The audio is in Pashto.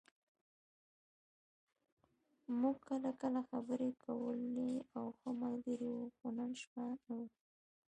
موږ کله کله خبرې کولې او ښه ملګري وو، خو نن شپه نه و.